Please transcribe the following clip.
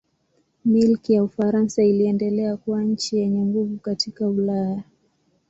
Milki ya Ufaransa iliendelea kuwa nchi yenye nguvu katika Ulaya.